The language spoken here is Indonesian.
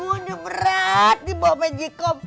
gue udah berat dibawa magicom